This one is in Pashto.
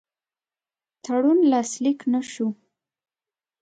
تړون لاسلیک نه سو.